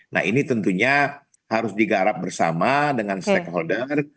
nah ini tentunya harus digarap bersama dengan stakeholder